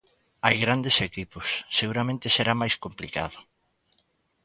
Hai grandes equipos, seguramente será máis complicado.